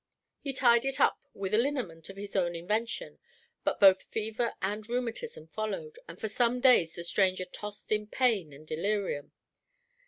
He tied it up with a liniment of his own invention, but both fever and rheumatism followed, and for some days the stranger tossed in pain and delirium.